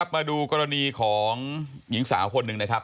มาดูกรณีของหญิงสาวคนหนึ่งนะครับ